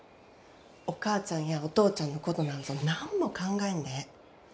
お母ちゃんやお父ちゃんのことなんぞ何も考えんでええ。